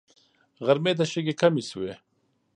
غرمې ته شګې کمې شوې.